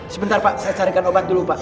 sebentar pak saya carikan obat dulu pak